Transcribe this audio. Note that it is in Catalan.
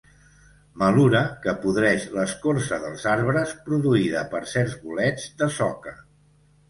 Malura que podreix l'escorça dels arbres, produïda per certs bolets de soca.